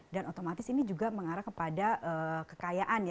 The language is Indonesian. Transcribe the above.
dan otomatis ini juga mengarah kepada kekayaan